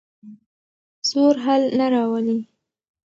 زور حل نه راولي.